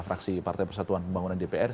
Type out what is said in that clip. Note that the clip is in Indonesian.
fraksi partai persatuan pembangunan dpr